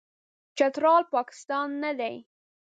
چترال، پاکستان نه دی.